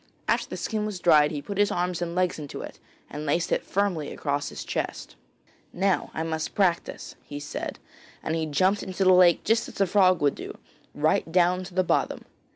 After the skin was dried he put his arms and legs into it, and laced it firmly across his chest. 'Now I must practise,' he said, and he jumped into the lake just as a frog would do, right down to the bottom.